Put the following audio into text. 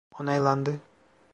Onaylandı.